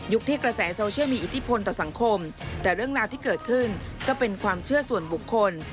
ที่กระแสโซเชียลมีอิทธิพลต่อสังคมแต่เรื่องราวที่เกิดขึ้นก็เป็นความเชื่อส่วนบุคคล